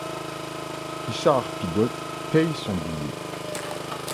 Richard Pigott paye son billet.